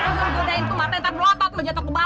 langsung jodain tuh mata entar belotot jatuh ke bawah